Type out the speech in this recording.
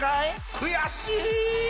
悔しい！